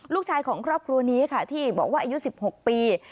ลูกชายของครอบครัวนี้ค่ะที่บอกว่าอายุ๑๖ปี